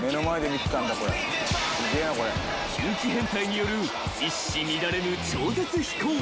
［９機編隊による一糸乱れぬ超絶飛行］